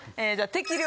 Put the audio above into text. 適量。